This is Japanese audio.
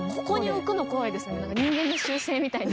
人間の習性みたいに。